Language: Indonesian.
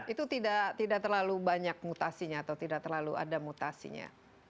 itu tidak terlalu banyak mutasinya atau tidak terlalu ada mutasinya